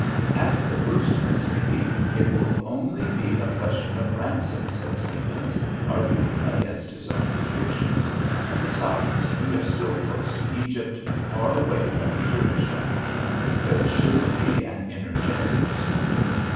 "At the worst, Miss Sadie, it will only be a question of ransom," said Stephens, arguing against his own convictions. "Besides, we are still close to Egypt, far away from the Dervish country. There is sure to be an energetic pursuit.